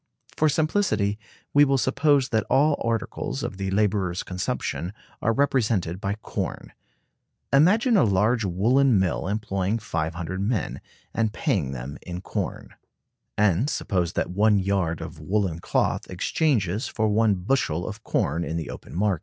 For simplicity we will suppose that all articles of the laborer's consumption are represented by corn. Imagine a large woolen mill employing 500 men, and paying them in corn; and suppose that one yard of woolen cloth exchanges for one bushel of corn in the open market.